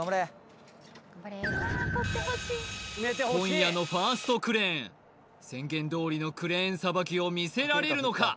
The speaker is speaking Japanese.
今夜のファーストクレーン宣言どおりのクレーンさばきを見せられるのか？